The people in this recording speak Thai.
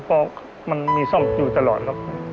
เพราะมันมีซ่อมอยู่ตลอดครับ